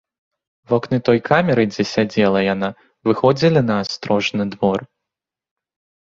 Вокны той камеры, дзе сядзела яна, выходзілі на астрожны двор.